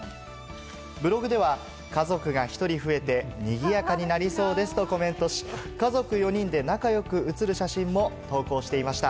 ブログでは家族が１人増えて、にぎやかになりそうですとコメントし、家族４人で仲良く写る写真も投稿していました。